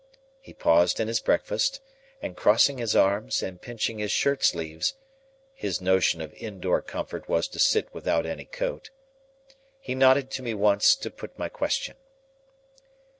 He paused in his breakfast, and crossing his arms, and pinching his shirt sleeves (his notion of in door comfort was to sit without any coat), he nodded to me once, to put my question.